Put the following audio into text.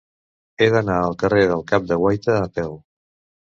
He d'anar al carrer del Cap de Guaita a peu.